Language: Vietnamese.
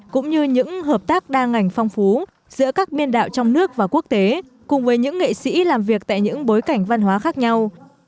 cũng như những hợp tác đa ngành phong phú giữa các biên đạo trong nước và quốc tế cùng với những nghệ sĩ làm việc tại những bối cảnh văn hóa khác nhau